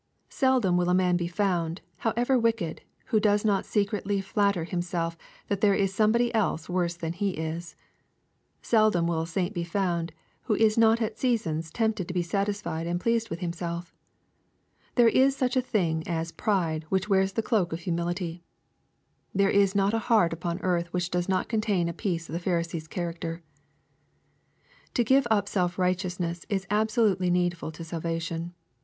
Seldom will a man be found, however wicked, who does not secretly flatter himself that there is somebody else worse than he is. Seldom will a saint be found who is not at seasons tempted to be satisfied and pleased with himself. There is such a thing as a pride which wears the cloak of humility. There is not a heart upon earth which does not contain a piece of the Pharisee's character. To give up self righteousness is absolutely needful to salvation.